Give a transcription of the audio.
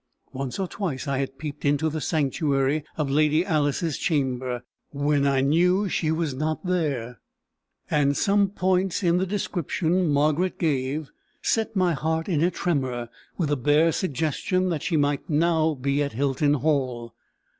Once or twice I had peeped into the sanctuary of Lady Alice's chamber, when I knew she was not there; and some points in the description Margaret gave set my heart in a tremor with the bare suggestion that she might now be at Hilton Hall.